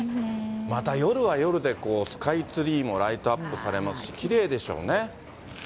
また夜は夜で、スカイツリーもライトアップされますし、きれいでしょうね。